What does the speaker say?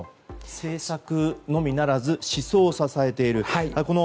政策のみならず思想を支えている。